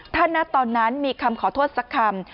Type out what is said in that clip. ถ้าณตอนนั้นมีคำขอโทษสักคำ